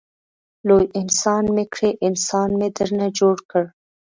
لوی انسان مې کړې انسان مې درنه جوړ کړ.